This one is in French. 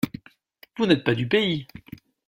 Vous n’êtes pas du pays?